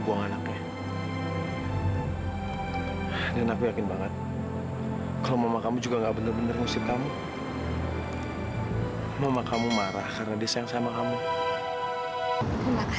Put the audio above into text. sampai jumpa di video selanjutnya